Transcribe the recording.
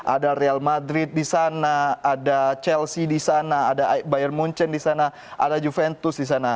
ada real madrid di sana ada chelsea di sana ada bayer munchen di sana ada juventus di sana